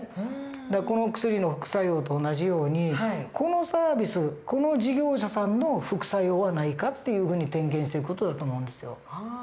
だからこの薬の副作用と同じようにこのサービスこの事業者さんの副作用はないかっていうふうに点検していく事だと思うんですよ。